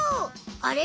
あれ？